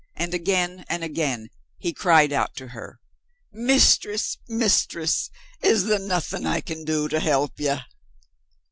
And, again and again, he cried out to her, "Mistress! Mistress! is there nothing I can do to help you?"